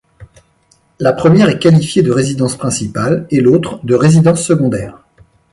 La première est qualifiée de résidence principale et l'autre, de résidence secondaire.